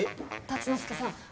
竜之介さん